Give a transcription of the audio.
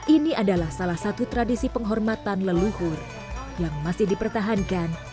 ini adalah salah satu tradisi penghormatan leluhur yang masih dipertahankan